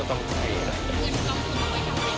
มันก็ยังอยากถามว่าทำไมต้องเป็นลูกของด้วย